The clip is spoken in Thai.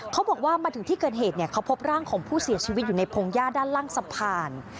เขาบอกว่ามาถึงที่เกิดเหตุเขาพบร่างของผู้เสียชีวิตอยู่ในพงหญ้าด้านล่างสะพาน